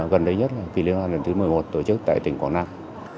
gần đây nhất là kỳ liên hoan lần thứ một mươi một tổ chức tại tỉnh quảng nam